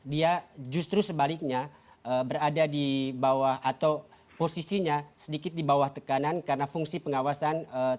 dia justru sebaliknya berada di bawah atau posisinya sedikit di bawah tekanan karena fungsi pengawasan tetap berada di bawah